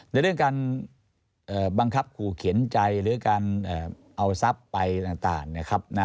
ในเรื่องการบังคับขู่เข็นใจหรือการเอาทรัพย์ไปต่างนะครับ